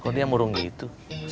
kok dia murung gitu